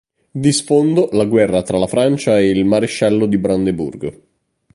Di sfondo la guerra tra la Francia e il Maresciallo di Brandeburgo.